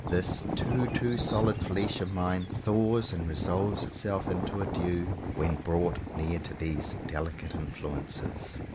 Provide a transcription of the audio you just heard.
This 76 JOHN COWPER POWYS "too, too solid flesh" of mine "thaws and resolves itself into a dew" when brought near to these delicate influences.